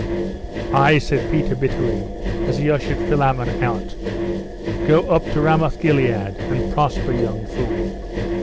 'Ay!' said Peter bitterly, as he ushered Philammon out. 'Go up to Ramoth Gilead, and prosper, young fool!